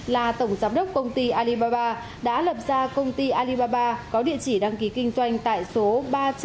là tổng giám đốc công ty alibaba đã lập ra công ty alibaba có địa chỉ đăng ký kinh doanh